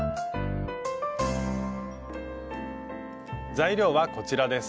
材料はこちらです。